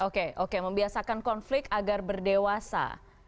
oke oke membiasakan konflik agar berdewasa